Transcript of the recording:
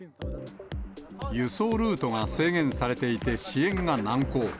輸送ルートが制限されていて支援が難航。